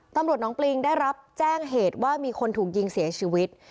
ตำรวจน้องปริงได้รับแจ้งเหตุว่ามีคนถูกยิงเสียชีวิต